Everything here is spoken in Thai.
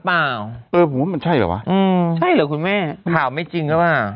พี่เอกช่องคุณแม่ตอนเนี้ยใช่วะ